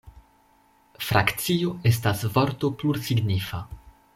Frakcio estas vorto plursignifa.